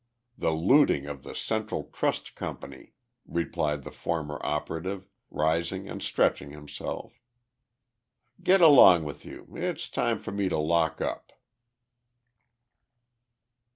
"The looting of the Central Trust Company," replied the former operative, rising and stretching himself. "Get along with you. It's time for me to lock up."